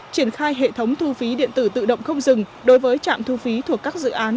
triển khai hệ thống thu phí điện tử tự động không dừng đối với trạm thu phí thuộc các dự án